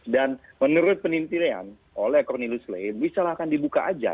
dan menurut penintilan oleh cornelius leib misalkan dibuka saja